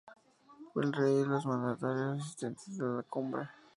El Rey y los mandatarios asistentes a la Cumbre.